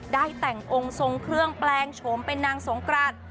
ได้แต่งองค์ทรงเครื่องแปลงโฉมเป็นนางสงกราศ